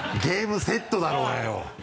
「ゲームセット」だろうがよ。